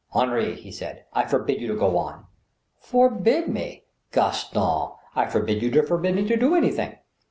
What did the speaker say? " Henri," he said, " I forbid you to go on." "Forbid me! Gaston, I forbid you to forbid me to do any thing."